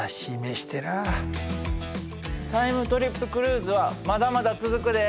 タイムトリップクルーズはまだまだ続くで。